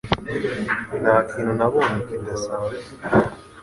Nta kintu nabonye kidasanzwe